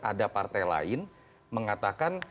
ada partai lain mengatakan